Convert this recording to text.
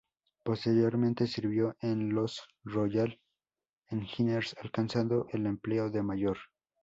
Posteriormente sirvió en los Royal Engineers alcanzando el empleo de mayor.